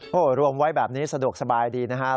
โอ้โหรวมไว้แบบนี้สะดวกสบายดีนะครับ